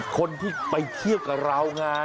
คนที่ไปเที่ยวกับเราไง